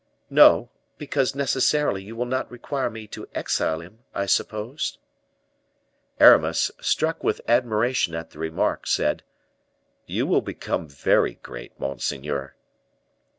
"No; because necessarily you will not require me to exile him, I suppose?" Aramis, struck with admiration at the remark, said, "You will become very great, monseigneur."